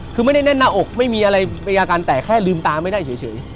คือไม่ได้แน่นหน้าอกไม่มีอะไรมีอาการแตกแค่ลืมตาไม่ได้เฉย